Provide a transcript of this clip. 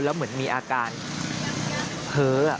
แล้วเหมือนมีอาการเพ้อ